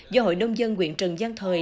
do hội nông dân nguyện trần giang thời